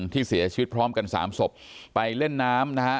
ที่เสียชีวิตพร้อมกันสามศพไปเล่นน้ำนะฮะ